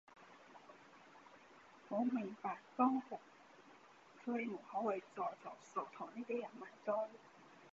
我明白江湖，所以唔好為咗着數同呢啲人埋堆